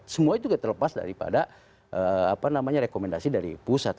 semua itu terlepas daripada rekomendasi dari pusat